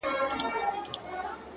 دا يې د ميــــني تـرانـــه ماته كــړه _